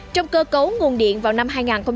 trong cơ cấu nguồn điện vào năm hai nghìn hai mươi